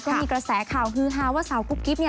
ก็มีกระแสข่าวฮือฮาว่าสาวกุ๊กกิ๊บเนี่ย